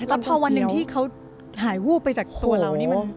แล้วก็พอวันหนึ่งที่เขาหายวูบไปจากตัวเรานี่